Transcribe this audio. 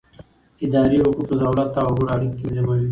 اداري حقوق د دولت او وګړو اړیکې تنظیموي.